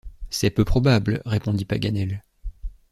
C’est peu probable, répondit Paganel.